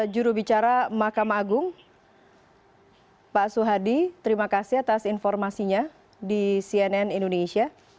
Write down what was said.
jurubicara makam agung